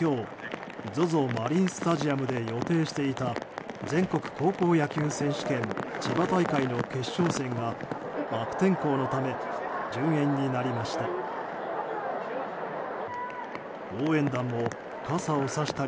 今日ＺＯＺＯマリンスタジアムで予定していた全国高校野球選手権千葉大会の決勝戦が悪天候のため順延になりました。